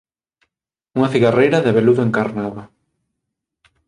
unha cigarreira de veludo encarnado